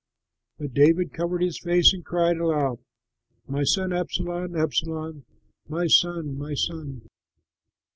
But David covered his face and cried aloud, "My son Absalom, Absalom, my son, my son!"